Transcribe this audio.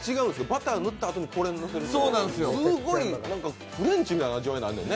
バター塗ったあとにこれをのせると、すごい、フレンチみたいな味わいになるのね。